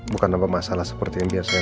bukan nambah masalah seperti yang biasa